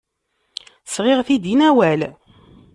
Sɣiɣ-t-id i Newwal.